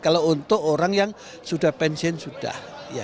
kalau untuk orang yang sudah pensiun sudah